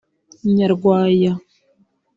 Nyarwaya